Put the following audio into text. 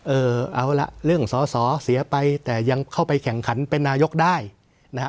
เออเอาล่ะเรื่องสอสอเสียไปแต่ยังเข้าไปแข่งขันเป็นนายกได้นะฮะ